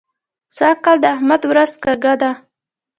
سږ کال د احمد ورځ کږه ده.